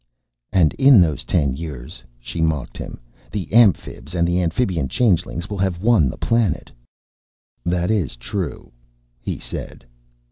"And in those ten years," she mocked him, "the Amphibs and the Amphibian changelings will have won the planet." "That is true," he said.